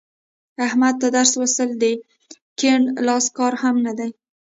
احمد ته درس لوستل د کیڼ لاس کار هم نه دی.